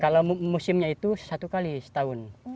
kalau musimnya itu satu kali setahun